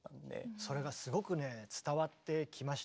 それがすごくね伝わってきました。